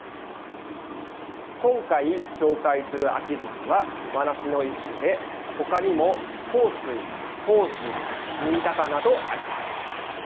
今回紹介する、あきづきは和梨の一種で、他にも幸水、豊水、新高などあります。